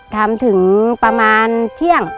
ทำถึงประมาณเที่ยง